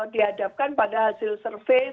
diadapkan pada hasil survei